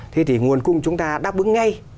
thế thì nguồn cung chúng ta đáp ứng ngay